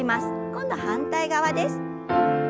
今度は反対側です。